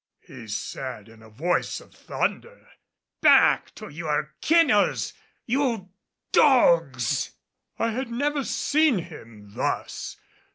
he said in a voice of thunder. "Back to your kennels, you dogs!" I had never seen him thus.